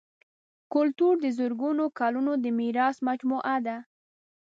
کلتور د زرګونو کلونو د میراث مجموعه ده.